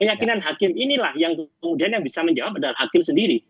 keyakinan hakim inilah yang kemudian yang bisa menjawab adalah hakim sendiri